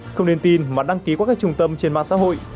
không nên tin mà đăng ký qua các trung tâm trên mạng xã hội